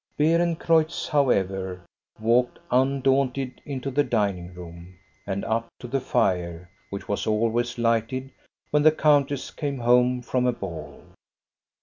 Beerencreutz, however, walked undaunted into the dining room, and up to the fire, which was always lighted when the countess came home from a ball.